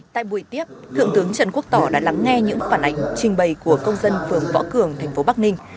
tại buổi tiếp thượng tướng trần quốc tỏ đã lắng nghe những phản ảnh trình bày của công dân phường võ cường thành phố bắc ninh